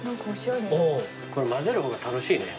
これ混ぜる方が楽しいね。